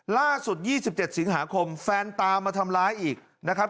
๒๗สิงหาคมแฟนตามมาทำร้ายอีกนะครับ